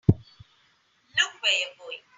Look where you're going!